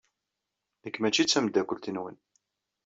Nekk mačči d tameddakelt-nwen.